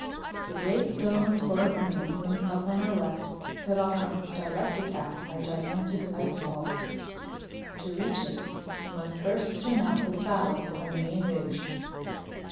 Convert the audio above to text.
The great dome of Coropuna loomed up on our left, cut off from direct attack by gigantic ice falls. To reach it we must first surmount the saddle on the main ridge.